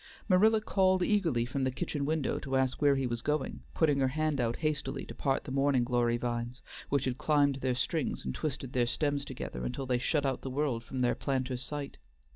Marilla called eagerly from the kitchen window to ask where he was going, putting her hand out hastily to part the morning glory vines, which had climbed their strings and twisted their stems together until they shut out the world from their planter's sight.